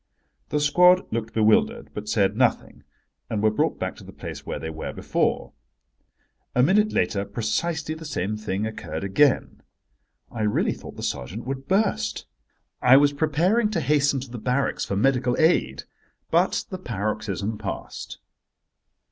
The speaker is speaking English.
The squad looked bewildered, but said nothing, and were brought back to the place where they were before. A minute later precisely the same thing occurred again. I really thought the sergeant would burst. I was preparing to hasten to the barracks for medical aid. But the paroxysm passed.